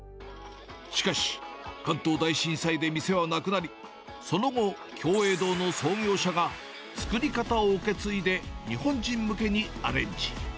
しかし、関東大震災で店はなくなり、その後、共栄堂の創業者が、作り方を受け継いで日本人向けにアレンジ。